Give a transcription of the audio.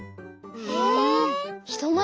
へえ。